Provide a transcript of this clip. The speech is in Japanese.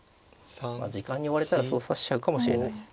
時間に追われたらそう指しちゃうかもしれないです。